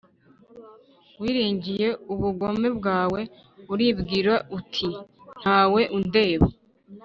wiringiye ubugome bwawe, uribwira uti «nta we undeba.»